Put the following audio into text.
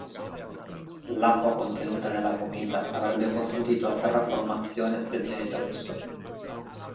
L'acqua contenuta nella cometa avrebbe consentito la terraformazione del pianeta rosso.